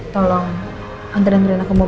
kamu ngerti ilang dimana bukan si satu